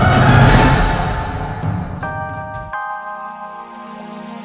dan menghentikan raiber